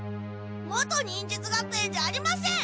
元忍術学園じゃありません！